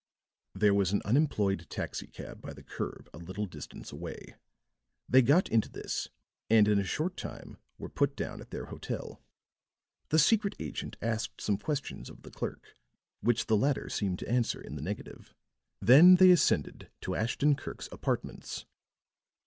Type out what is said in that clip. There was an unemployed taxi cab by the curb a little distance away; they got into this and in a short time were put down at their hotel. The secret agent asked some question of the clerk, which the latter seemed to answer in the negative; then they ascended to Ashton Kirk's apartments.